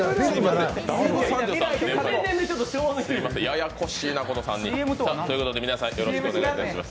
ややこしいな、この３人。ということで皆さん、よろしくお願いします。